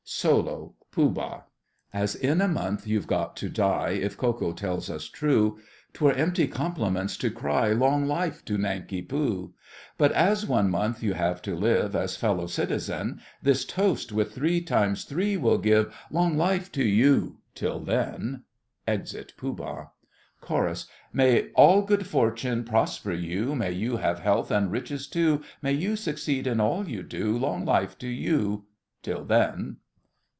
SOLO—POOH BAH. As in a month you've got to die, If Ko Ko tells us true, 'Twere empty compliment to cry "Long life to Nanki Poo!" But as one month you have to live As fellow citizen, This toast with three times three we'll give— "Long life to you—till then!" [Exit Pooh Bah. CHORUS. May all good fortune prosper you, May you have health and riches too, May you succeed in all you do! Long life to you—till then!